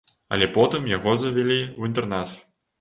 Але потым яго завялі ў інтэрнат.